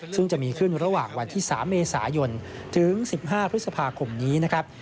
ซึ่งจะมีขึ้นระหว่างวันที่๓เมษายนถึง๑๕พฤษภาคมนี้นะครับ